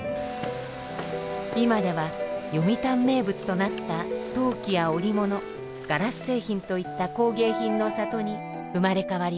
今では読谷名物となった陶器や織物ガラス製品といった工芸品の里に生まれ変わりました。